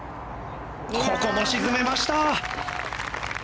ここも沈めました！